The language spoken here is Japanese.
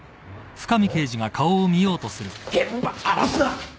現場荒らすな！